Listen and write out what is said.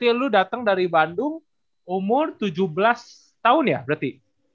jalan ke empat berarti lo datang dari bandung umur tujuh belas tahun ya berarti